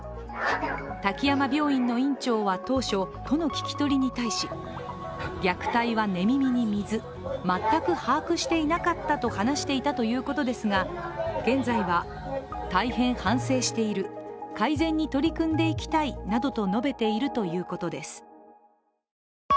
滝山病院の院長は当初、都の聞き取りに対し虐待は寝耳に水、全く把握していなかったと話していたということですが、現在は大変反省している、改善に取り組んでいきたいなどと述べているということです。